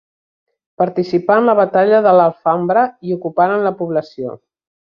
Participà en la batalla de l'Alfambra i ocuparen la població.